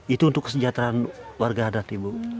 itu untuk kesejahteraan warga adat ibu